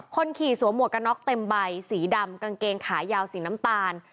คนขี่สวมหวกกระน็อกเต็มใบสีดำกางเกงขายาวสีน้ำตาล